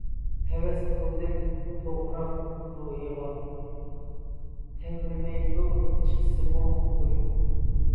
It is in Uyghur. ھەۋەس قىلدىم توغراق روھىغا، تەۋرىمەيدۇ چىقسىمۇ قۇيۇن.